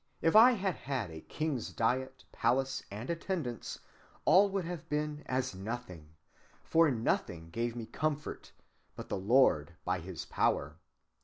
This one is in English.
If I had had a king's diet, palace, and attendance, all would have been as nothing; for nothing gave me comfort but the Lord by his power.